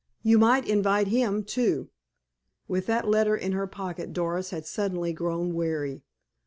You might invite him, too." With that letter in her pocket Doris had suddenly grown wary.